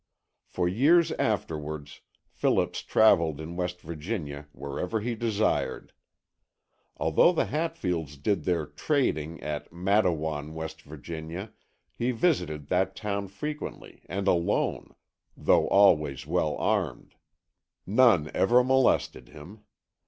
For years afterwards Phillips traveled in West Virginia wherever he desired. Although the Hatfields did their "trading" at Matewan, W. Va., he visited that town frequently and alone, though always well armed. None ever molested him.